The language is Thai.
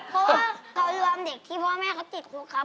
เพราะว่าเขายอมเด็กที่พ่อแม่เขาติดคุกครับ